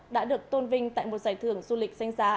đã được tôn vinh tại một giải thưởng du lịch danh giá